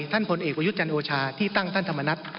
ผลเอกประยุทธ์จันทร์โอชาที่ตั้งท่านธรรมนัฐ